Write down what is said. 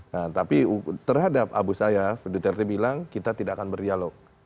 nah tapi terhadap abu sayyaf duterte bilang kita tidak akan berdialog